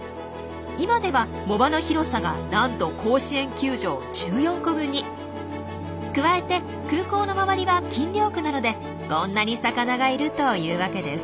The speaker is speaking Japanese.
今では藻場の広さがなんと加えて空港の周りは禁漁区なのでこんなに魚がいるというわけです。